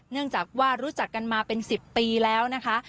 เนื่องจากว่ารู้จักกันมาเป็น๑๐ปีแล้วนะคะ